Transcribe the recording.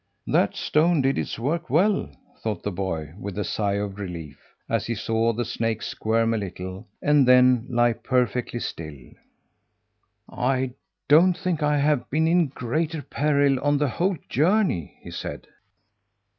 "That stone did its work well!" thought the boy with a sigh of relief, as he saw the snake squirm a little, and then lie perfectly still. "I don't think I've been in greater peril on the whole journey," he said.